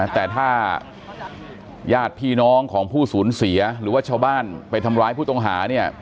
แต่ถ้าญาติพี่น้องของผู้สูญเสียหรือว่าชาวบ้านไปทำร้ายผู้ต้องหาเนี่ย